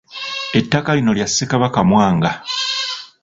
Ettaka lino lya Ssekabaka Mwanga.